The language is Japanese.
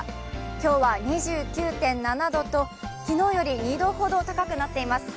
今日は２９．７度と、昨日より２度ほど高くなっています。